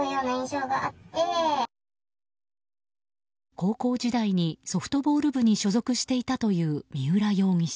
高校時代にソフトボール部に所属していたという三浦容疑者。